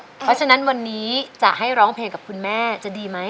เพราะฉะนั้นวันนี้จะให้ร้องเพลงกับคุณแม่จะดีไหม